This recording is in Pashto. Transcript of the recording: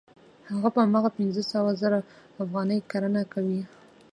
هغه په هماغه پنځه سوه زره افغانۍ کرنه کوي